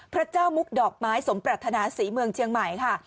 พระเจ้ามุกดอกไม้สมปรัฐนาศรีเมืองเชียงใหม่ค่ะ